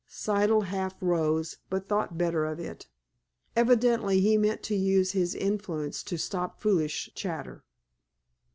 Siddle half rose, but thought better of it. Evidently, he meant to use his influence to stop foolish chatter.